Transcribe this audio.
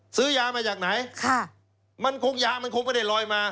ซื้อยามาจากไหนค่ะมันคงยามันคงไม่ได้ลอยมา